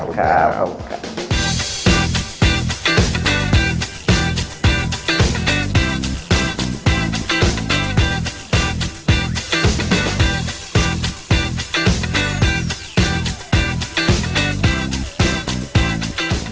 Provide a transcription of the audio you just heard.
ขอบคุณครับ